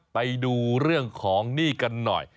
ไปดูเรื่องของหนี้กันหน่อย